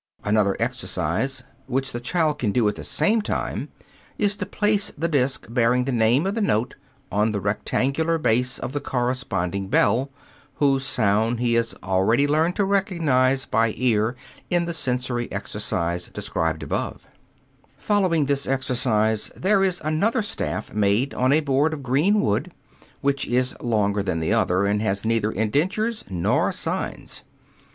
Another exercise which the child can do at the same time is to place the disc bearing the name of the note on the rectangular base of the corresponding bell, whose sound he has already learned to recognize by ear in the sensorial exercise described above. [Illustration: FIG. 39. DUMB KEYBOARD.] Following this exercise there is another staff made on a board of green wood, which is longer than the other and has neither indentures nor signs.